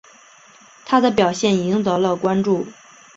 他的表现赢得了关注。